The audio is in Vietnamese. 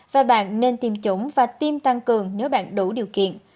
và bạn nên tiêm chủng và tiêm tăng cường nếu bạn đủ điều kiện